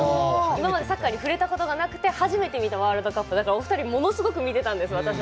今までサッカーに触れたことがなくて初めて見たワールドカップでお二人を、ものすごく見てました。